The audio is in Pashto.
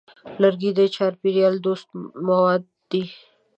لرګی د چاپېریال دوست مواد دی.